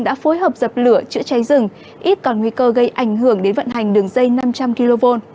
đã phối hợp dập lửa chữa cháy rừng ít còn nguy cơ gây ảnh hưởng đến vận hành đường dây năm trăm linh kv